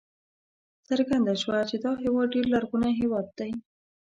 څرګنده شوه چې دا هېواد ډېر لرغونی هېواد دی.